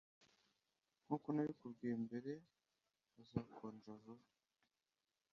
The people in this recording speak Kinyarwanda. Nkuko nabikubwiye mbere hazakonja vuba